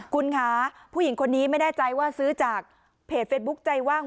คุณคะผู้หญิงคนนี้ไม่แน่ใจว่าซื้อจากเพจเฟซบุ๊คใจว่าง